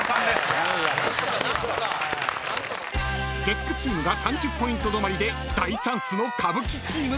［月９チームが３０ポイント止まりで大チャンスの歌舞伎チーム］